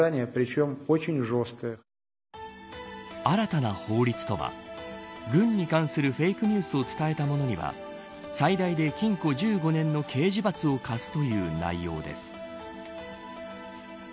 新たな法律とは軍に関するフェイクニュースを伝えたものには最大で禁錮１５年の刑事罰を科すという内容です。